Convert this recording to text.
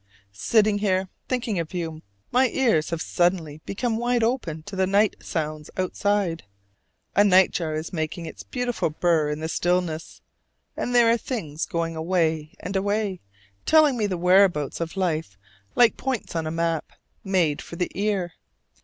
Sitting here thinking of you, my ears have suddenly become wide open to the night sounds outside. A night jar is making its beautiful burr in the stillness, and there are things going away and away, telling me the whereabouts of life like points on a map made for the ear.